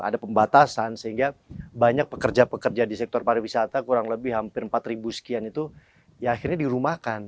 ada pembatasan sehingga banyak pekerja pekerja di sektor pariwisata kurang lebih hampir empat ribu sekian itu ya akhirnya dirumahkan